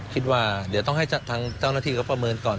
คิดว่าเดี๋ยวต้องให้ทางเจ้าหน้าที่เขาประเมินก่อน